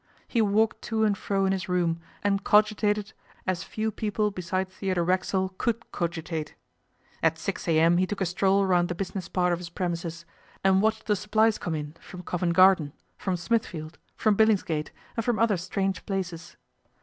He walked to and fro in his room, and cogitated as few people beside Theodore Racksole could cogitate. At 6 a.m. he took a stroll round the business part of his premises, and watched the supplies come in from Covent Garden, from Smithfield, from Billingsgate, and from other strange places.